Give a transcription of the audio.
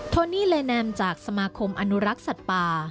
โนี่เลแนมจากสมาคมอนุรักษ์สัตว์ป่า